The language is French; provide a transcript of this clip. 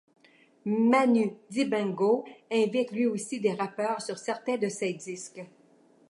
Manu Dibango invite lui aussi des rappeurs sur certains de ces disques.